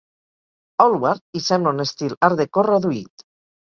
Allward, i sembla un estil art-déco reduït.